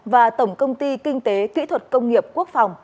và tổng công ty kinh tế kỹ thuật công nghiệp quốc phòng